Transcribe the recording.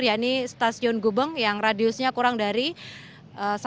yakni stasiun gubeng yang radiusnya kurang dari satu meter